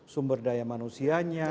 sumber daya manusianya